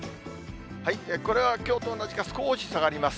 これはきょうと同じか少し下がります。